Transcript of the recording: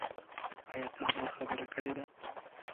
ايا تا دا خبره کړې ده ؟